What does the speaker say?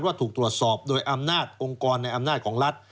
ถูกตรวจสอบโดยอำนาจองค์กรในอำนาจของรัฐ